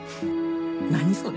何それ